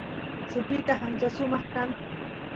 sipitas ancha sumaq kan